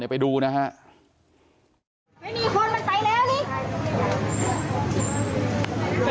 เดี๋ยวให้กลางกินขนม